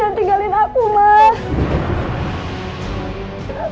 jangan tinggalin aku mbak